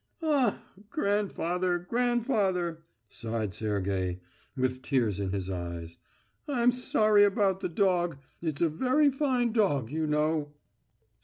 "Ah, grandfather, grandfather!" sighed Sergey, with tears in his eyes. "I'm sorry about the dog. It's a very fine dog, you know...."